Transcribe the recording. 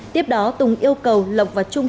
tiếp đó tùng yêu cầu lộc và trung